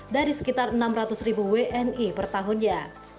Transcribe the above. dari sekitar enam ratus ribu wni per tahunnya